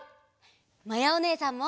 まやおねえさんも！